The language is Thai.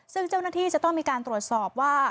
ซึ่งเจ้าหน้าที่จะต้องมีการตรวจสอบว่า